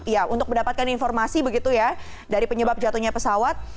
ya untuk mendapatkan informasi begitu ya dari penyebab jatuhnya pesawat